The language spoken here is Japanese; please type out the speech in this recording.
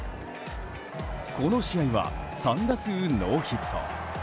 この試合は、３打数ノーヒット。